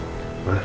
ma pak beti ma